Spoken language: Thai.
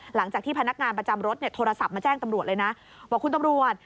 หลังจากที่พนักงานประจำรถเนี่ยโทรศัพท์มาแจ้งตำรวจเลยนะบอกคุณตำรวจ